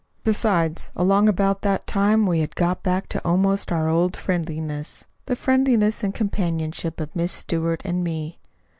Besides, along about that time we had got back to almost our old friendliness the friendliness and companionship of Miss Stewart and me.